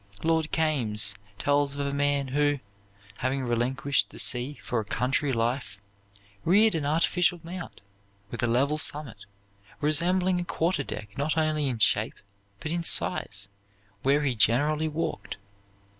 Lord Kames tells of a man who, having relinquished the sea for a country life, reared an artificial mount, with a level summit, resembling a quarter deck not only in shape, but in size, where he generally walked.